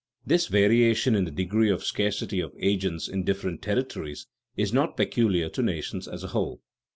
This variation in the degree of scarcity of agents in different territories is not peculiar to nations as a whole.